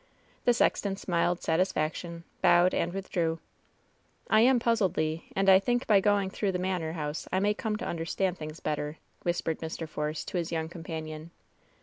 The sexton smiled satisfaction, bowed and withdrew. I am puzzled, Le, and I think by going through the manor house I may come to understand things better,'^ whispered Mr. Force to his young companion.